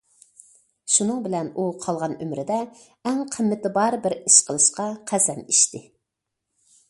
شۇنىڭ بىلەن ئۇ قالغان ئۆمرىدە ئەڭ قىممىتى بار بىر ئىش قىلىشقا قەسەم ئىچتى.